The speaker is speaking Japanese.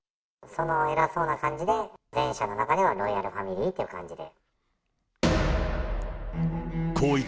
その偉そうな感じで、全社の中ではロイヤルファミリーって感じで。